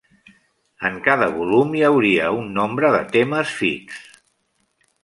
En cada volum hi hauria un nombre de temes fix.